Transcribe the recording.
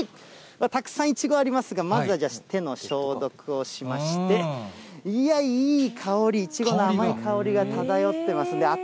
たくさんいちごありますが、まずはじゃあ、手の消毒をしまして、いや、いい香り、いちごの甘い香りが漂ってますね。